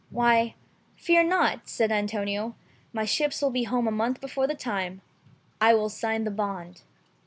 "Why, fear not," said Antonio, "my ships will be home a month before the time. I will sign the bond."